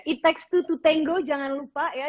it takes two to tango jangan lupa ya